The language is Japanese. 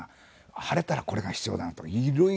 「晴れたらこれが必要だな」とかいろいろ。